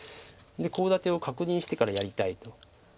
コウ立てを確認してからやりたいと。